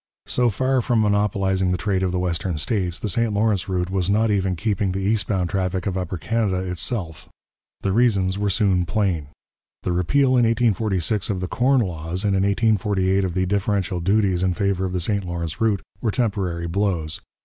So far from monopolizing the trade of the western states, the St Lawrence route Was not even keeping the east bound traffic of Upper Canada itself. The reasons were soon plain. The repeal in 1846 of the Corn Laws and in 1848 of the differential duties in favour of the St Lawrence route were temporary blows.